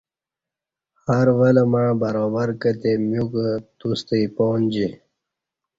ہر ول مع برابر کتے میوکہ توستہ ایپانجی